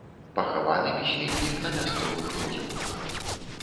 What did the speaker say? Пахаваны пісьменнік на мясцовых могілках.